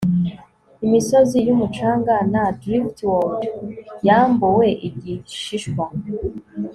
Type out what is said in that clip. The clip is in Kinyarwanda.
Imisozi yumucanga na driftwood yambuwe igishishwa